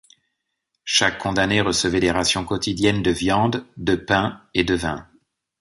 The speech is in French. Chaque condamné recevait des rations quotidiennes de viande, de pain et de vin.